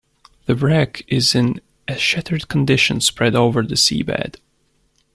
The wreck is in a shattered condition spread over the sea bed.